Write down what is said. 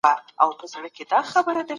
چې په نورو برخو کې هم پرمختګ وکړو.